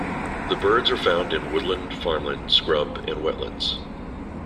The birds are found in woodland, farmland, scrub, and wetlands.